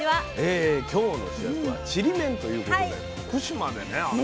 今日の主役はちりめんということで徳島でね